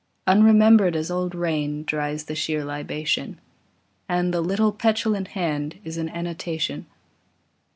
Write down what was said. Unremembered as old rain Dries the sheer libation; And the little petulant hand Is an annotation.